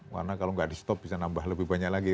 karena kalau gak di stop bisa nambah lebih banyak lagi